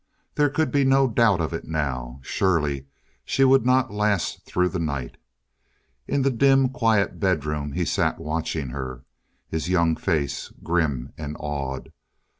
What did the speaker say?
There could be no doubt of it now. Surely she would not last through the night. In the dim quiet bedroom he sat watching her, his young face grim and awed.